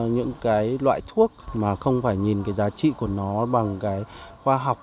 những cái loại thuốc mà không phải nhìn cái giá trị của nó bằng cái khoa học